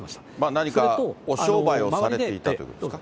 何かお商売をされていたということですか？